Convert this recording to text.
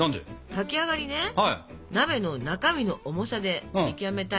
炊き上がりね鍋の中身の重さで見極めたいので。